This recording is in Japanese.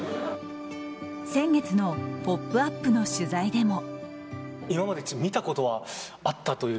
先月の「ポップＵＰ！」の取材でも。